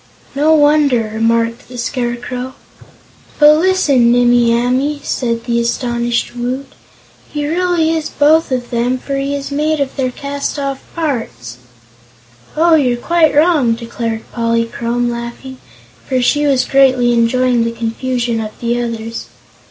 "No wonder!" remarked the Scarecrow. "But, listen, Nimmie Amee!" said the astonished Woot; "he really is both of them, for he is made of their cast off parts." "Oh, you're quite wrong," declared Polychrome, laughing, for she was greatly enjoying the confusion of the others.